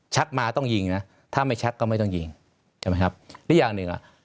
มาต้องยิงนะถ้าไม่ชักก็ไม่ต้องยิงใช่ไหมครับหรืออย่างหนึ่งอ่ะ